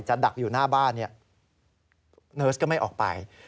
ดักอยู่หน้าบ้านเนี่ยเนิร์สก็ไม่ออกไป